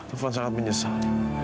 taufan sangat menyesal